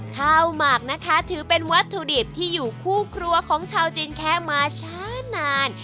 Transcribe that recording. หมักนะคะถือเป็นวัตถุดิบที่อยู่คู่ครัวของชาวจีนแคะมาช้านาน